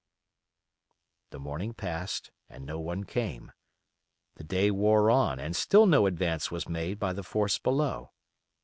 The morning passed and no one came; the day wore on and still no advance was made by the force below.